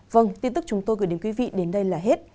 vâng tin tức chúng tôi gửi đến quý vị đến đây là hết